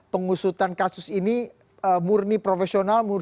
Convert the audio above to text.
pengusutan kasus ini murni profesional